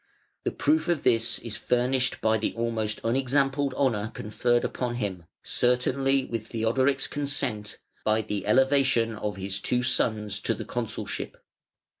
The proof of this is furnished by the almost unexampled honour conferred upon him certainly with Theodoric's consent by the elevation of his two sons to the consulship.